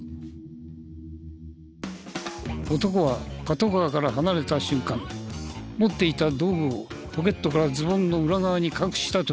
男はパトカーから離れた瞬間持っていた道具をポケットからズボンの裏側に隠したという。